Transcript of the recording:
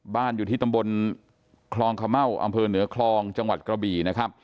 บ้านอยู่ที่ตำบลคลองขเม่าอำเภอเหนือคลองจังหวัดกระบี่นะครับ